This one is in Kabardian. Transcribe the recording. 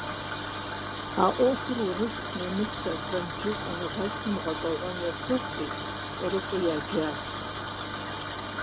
А Ӏуэхур урыс, нэмыцэ, франджы щӀэныгъэлӀхэм гъэщӀэгъуэн ящыхъури, щӀэрыщӀэу яджащ.